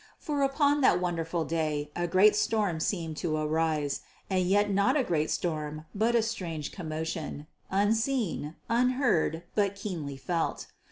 For upon that wonderful day a great storm seemed to arise, and yet not a great storm but a strange commotion, unseen, unheard, but keenly felt.